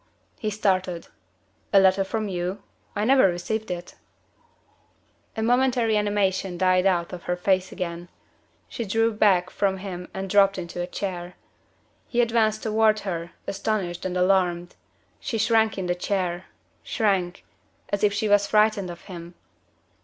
He started. "A letter from you? I never received it." The momentary animation died out of her face again. She drew back from him and dropped into a chair. He advanced toward her, astonished and alarmed. She shrank in the chair shrank, as if she was frightened of him.